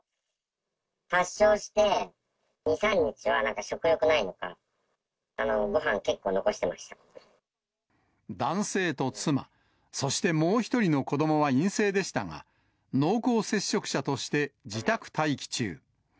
発症して２、３日はなんか食欲ないのか、男性と妻、そしてもう１人の子どもは陰性でしたが、濃厚接触者として自宅待機中。